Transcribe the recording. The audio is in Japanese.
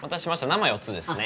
生４つですね。